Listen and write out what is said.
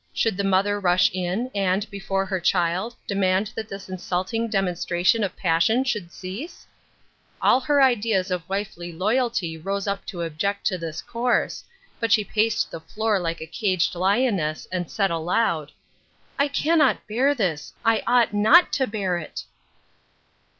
Should the mother rush in, and, before her child, demand that this insulting demonstration of passion should cease ? All her ideas of wifely loyalty rose up to object to this course, but she paced the floor like a caged lioness, and said aloud, —" I cannot bear this ; I ought not to bear it."